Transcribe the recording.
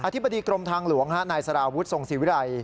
ธิบดีกรมทางหลวงนายสารวุฒิทรงศิวิรัย